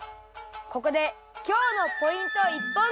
ここで今日のポイント一本釣り！